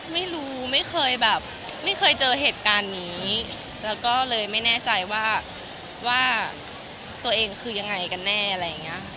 ไม่รู้ไม่เคยเจอเหตุการณ์นี้แล้วก็เลยไม่แน่ใจว่าตัวเองคือยังไงกันแน่